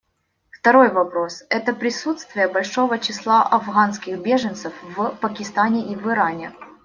Второй вопрос — это присутствие большого числа афганских беженцев в Пакистане и в Иране.